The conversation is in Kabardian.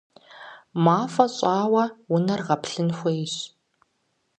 МафӀэ щӀауэ унэр гъэплъын хуейт.